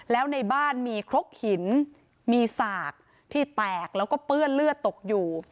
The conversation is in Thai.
แล้วในบ้านมีครกหินมีสากที่แตกแล้วก็เปื้อนเลือดตกอยู่